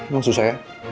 yang susah ya